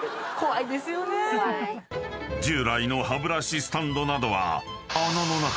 ［従来の歯ブラシスタンドなどは］